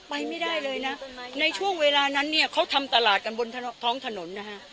ไปไม่ได้เลยนะในช่วงเวลานั้นเนี่ยเขาทำตลาดกันบนท้องถนนนะฮะ